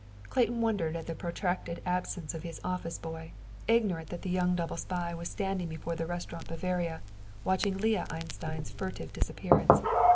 Clayton wondered at the protracted absence of his office boy, ignorant that the young double spy was standing before the Restaurant Bavaria watching Leah Einstein's furtive disappearance.